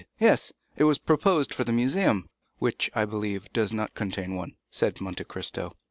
"Yes; it was proposed for the Museum." "Which, I believe, does not contain one?" said Monte Cristo.